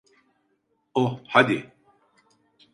Oh, hadi.